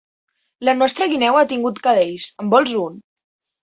La nostra guineu ha tingut cadells; en vols un?